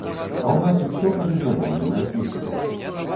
А ў нас усё па безнаяўным разліку.